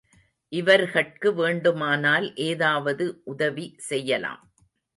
இவர்கட்கு வேண்டுமானால் ஏதாவது உதவி செய்யலாம்.